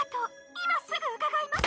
今すぐ伺います。